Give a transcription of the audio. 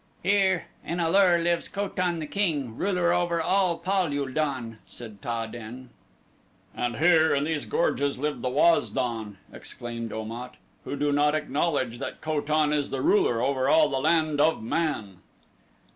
"Here, in A lur, lives Ko tan, the king, ruler over all Pal ul don," said Ta den. "And here in these gorges live the Waz don," exclaimed Om at, "who do not acknowledge that Ko tan is the ruler over all the Land of man."